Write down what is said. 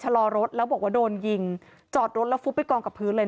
รอรถแล้วบอกว่าโดนยิงจอดรถแล้วฟุบไปกองกับพื้นเลย